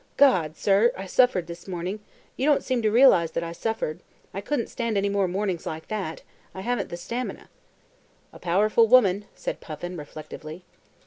God, sir, I suffered this morning; you don't seem to realize that I suffered; I couldn't stand any more mornings like that: I haven't the stamina." "A powerful woman," said Puffin reflectively.